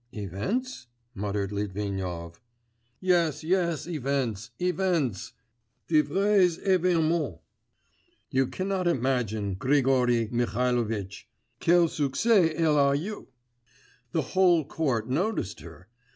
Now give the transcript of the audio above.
'Events?' muttered Litvinov. 'Yes, yes, events, events, de vrais événements. You cannot imagine, Grigory Mihalovitch, quel succès elle a eu! The whole court noticed her!